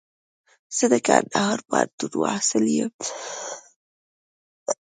زه د کندهار پوهنتون محصل يم.